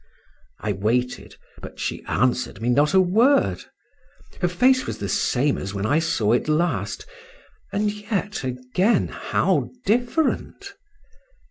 I waited, but she answered me not a word. Her face was the same as when I saw it last, and yet again how different!